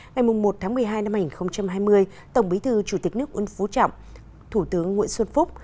ngày một tháng một mươi hai năm hai nghìn hai mươi tổng bí thư chủ tịch nước uân phú trọng thủ tướng nguyễn xuân phúc